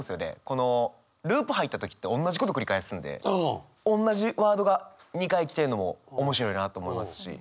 このループ入った時っておんなじこと繰り返すんでおんなじワードが２回来てるのも面白いなと思いますし。